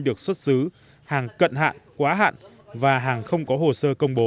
được xuất xứ hàng cận hạn quá hạn và hàng không có hồ sơ công bố